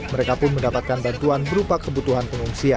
mereka pun mendapatkan bantuan berupa kebutuhan pengungsi